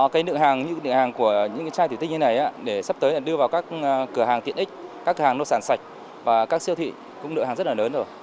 cái nựa hàng của những cái chai thủy tinh như thế này để sắp tới đưa vào các cửa hàng tiện ích các cửa hàng nô sản sạch và các siêu thị cũng nựa hàng rất là lớn rồi